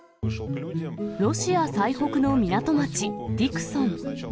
ロシア最北の港町、ディクソン。